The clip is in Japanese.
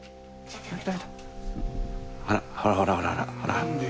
ほらほらほらほらほらほら。